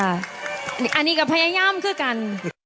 อันนี้ก็พยายามคือกัน